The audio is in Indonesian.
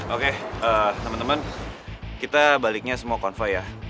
oke temen temen kita baliknya semua konvoy ya